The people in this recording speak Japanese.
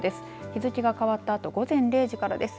日付が変わったあと午前０時からです。